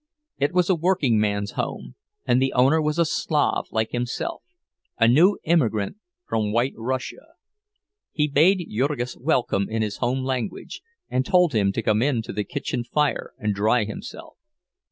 It was a working man's home, and the owner was a Slav like himself, a new emigrant from White Russia; he bade Jurgis welcome in his home language, and told him to come to the kitchen fire and dry himself.